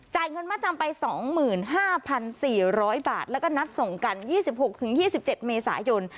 เงินมัดจำไป๒๕๔๐๐บาทแล้วก็นัดส่งกัน๒๖๒๗เมษายน